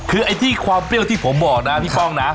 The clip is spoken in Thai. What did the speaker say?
คือไอ้ที่ความเปรี้ยวที่ผมบอกนะพี่ป้องนะ